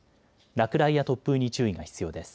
落雷や突風に注意が必要です。